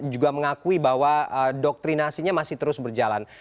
juga mengakui bahwa doktrinasinya masih terus berjalan